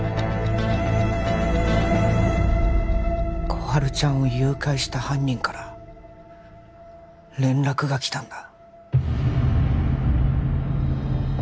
心春ちゃんを誘拐した犯人から連絡が来たんだ